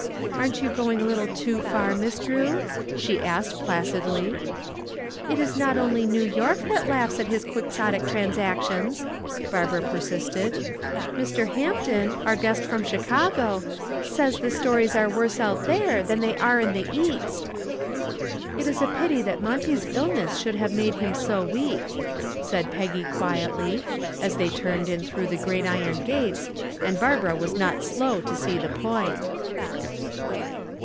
"Aren't you going a little too far, Miss Drew?" she asked placidly. "It is not only New York that laughs at his Quixotic transactions," Barbara persisted. "Mr. Hampton, our guest from Chicago, says the stories are worse out there than they are in the east." "It is a pity that Monty's illness should have made him so weak," said Peggy quietly, as they turned in through the great iron gates, and Barbara was not slow to see the point.